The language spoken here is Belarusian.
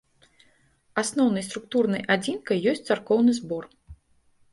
Асноўнай структурнай адзінкай ёсць царкоўны збор.